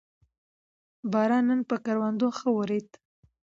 باران نن پر کروندو ښه ورېد